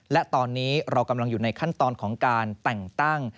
และตอนนี้เรากำลังอยู่ในขั้นตอนของการแต่งตั้ง